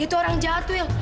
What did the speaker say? itu orang jahat wil